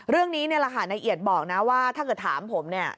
เรื่องนี้เนี่ยราหารในเอียดบอกนะว่าถ้าเกิดถามผมเนี่ย